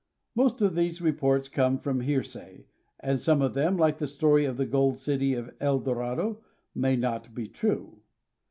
Most of these reports come from hearsay, and some of them, like the story of the gold city of El Dorado, may not be true.